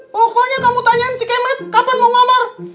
pokoknya kamu tanyain si kemas kapan mau ngelamar